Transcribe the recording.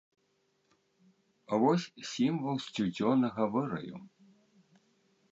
Вось сімвал сцюдзёнага выраю.